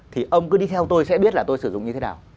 thì ông cứ đi theo tôi sẽ biết là tôi sử dụng như thế nào